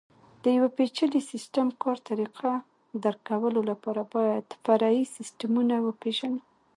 د یوه پېچلي سیسټم کار طریقه درک کولو لپاره باید فرعي سیسټمونه وپېژنو.